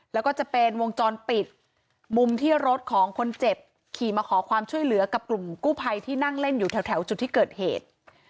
แล้วก็จะเป็นวงจรปิดมุมที่รถของคนเจ็บขี่มาขอความช่วยเหลือกับกลุ่มกู้ภัยที่นั่งเล่นอยู่แถวจุดที่เกิดเหตุ